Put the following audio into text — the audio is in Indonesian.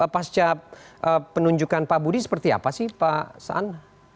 pasca penunjukan pak budi seperti apa sih pak san